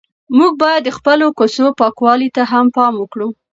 موږ باید د خپلو کوڅو پاکوالي ته هم پام وکړو.